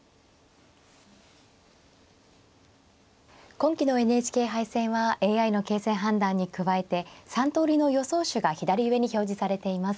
今期のＮＨＫ杯戦はＡＩの形勢判断に加えて３通りの予想手が左上に表示されています。